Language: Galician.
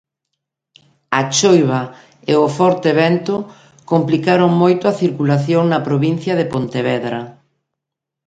A choiva e o forte vento complicaron moito a circulación na provincia de Pontevedra.